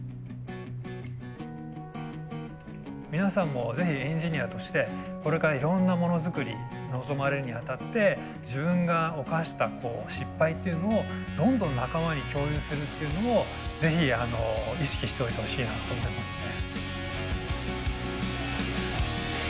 皆さんもぜひエンジニアとしてこれからいろんなものづくり臨まれるにあたって自分が犯した失敗っていうのをどんどん仲間に共有するっていうのもぜひ意識しておいてほしいなと思いますね。